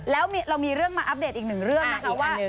แล้วเรามีเรื่องมาอัปเดตอีกหนึ่งเรื่องนะคะว่า